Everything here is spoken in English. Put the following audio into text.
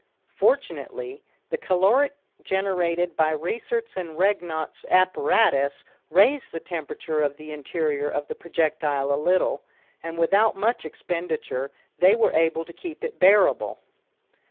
Fortunately the caloric generated by Reiset's and Regnaut's apparatus raised the temperature of the interior of the projectile a little, and without much expenditure they were able to keep it bearable.